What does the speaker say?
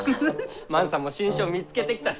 万さんも新種を見つけてきたし！